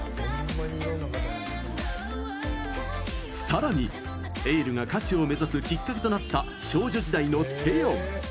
さらにｅｉｌｌが歌手を目指すきっかけとなった少女時代のテヨン。